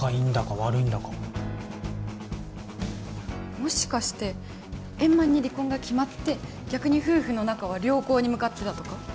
もしかして円満に離婚が決まって逆に夫婦の仲は良好に向かってたとか？